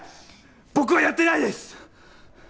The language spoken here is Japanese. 僕はやってないです！